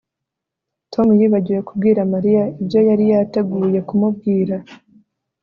Tom yibagiwe kubwira Mariya ibyo yari yateguye kumubwira